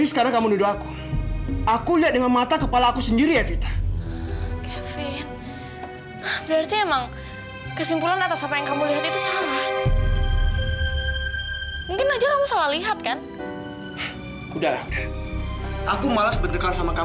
selamat pagi mbak